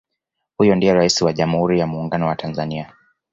Huyo ndiye Rais wa jamhuri ya Muungano wa Tanzania